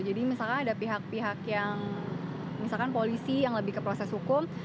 jadi misalkan ada pihak pihak yang misalkan polisi yang lebih ke proses hukum